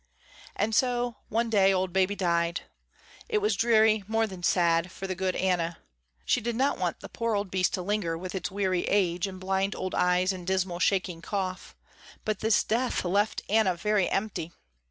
And so one day old Baby died. It was dreary, more than sad, for the good Anna. She did not want the poor old beast to linger with its weary age, and blind old eyes and dismal shaking cough, but this death left Anna very empty.